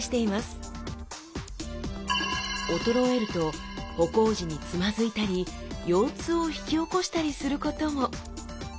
衰えると歩行時につまずいたり腰痛を引き起こしたりすることも。